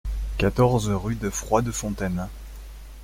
quatorze rue de Froidefontaine